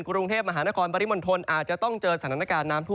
กรุงเทพมหานครปริมณฑลอาจจะต้องเจอสถานการณ์น้ำทั่ว